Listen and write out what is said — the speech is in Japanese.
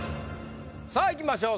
さあいきましょう。